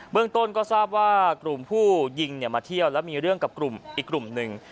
เรื่องต้นก็ทราบว่ากลุ่มผู้ยิงมาเที่ยวแล้วมีเรื่องกับกลุ่มอีกกลุ่มหนึ่ง